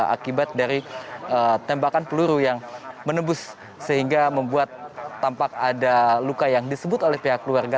akibat dari tembakan peluru yang menembus sehingga membuat tampak ada luka yang disebut oleh pihak keluarga